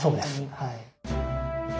はい。